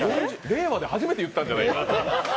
令和で初めて言ったんじゃないかな。